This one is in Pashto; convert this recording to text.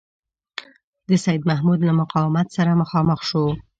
د سیدمحمود له مقاومت سره مخامخ شو.